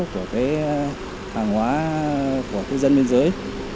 của hàng hóa của cư dân biên giới